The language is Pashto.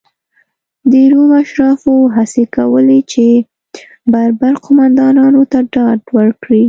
د روم اشرافو هڅې کولې چې بربر قومندانانو ته ډاډ ورکړي.